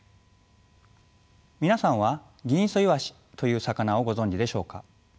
皆さんはギンイソイワシという魚をご存じでしょうか？